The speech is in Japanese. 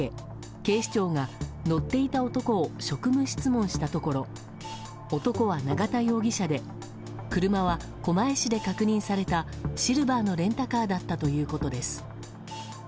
警視庁が乗っていた男を職務質問したところ男は永田容疑者で車は狛江市で確認されたシルバーのレンタカーだったということです。